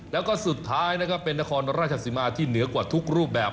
แล้วก็สุดท้ายนะครับเป็นนครราชสิมาที่เหนือกว่าทุกรูปแบบ